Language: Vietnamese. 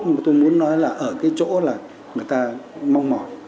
nhưng mà tôi muốn nói là ở cái chỗ là người ta mong mỏi